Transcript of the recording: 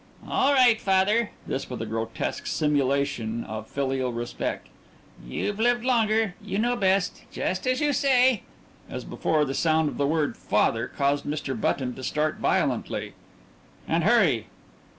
"All right, father" this with a grotesque simulation of filial respect "you've lived longer; you know best. Just as you say." As before, the sound of the word "father" caused Mr. Button to start violently. "And hurry."